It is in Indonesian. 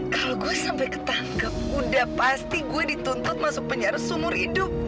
kalau saya sampai ditangkap sudah pasti saya dituntut masuk penjara sumur hidup